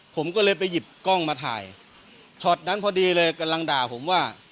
ผมก็เลยไปหยิบกล้องมาถ่ายช็อตนั้นพอดีเลยกำลังด่าผมว่า